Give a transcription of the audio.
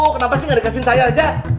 kenapa sih gak dikasih saya aja